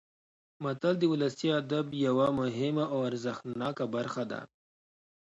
متل د ولسي ادب یوه مهمه او ارزښتناکه برخه ده